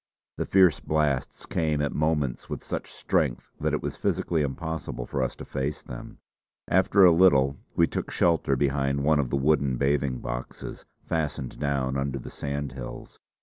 The fierce blasts came at moments with such strength that it was physically impossible for us to face them. After a little we took shelter behind one of the wooden bathing boxes fastened down under the sandhills.